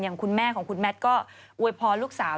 คุณแม่ของคุณแมทก็อวยพรลูกสาว